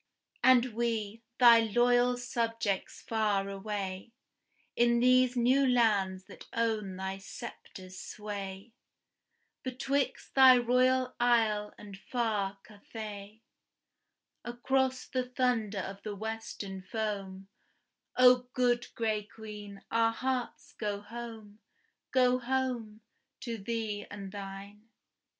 And we, thy loyal subjects far away, In these new lands that own thy sceptre's sway, Betwixt thy Royal Isle and far Cathay Across the thunder of the western foam, O good gray Queen, our hearts go home, go home, To thine and thee!